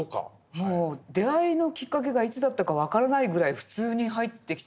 もう出会いのきっかけがいつだったか分からないぐらい普通に入ってきた。